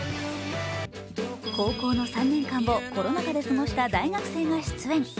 高校の３年間をコロナ禍で過ごした大学生が出演。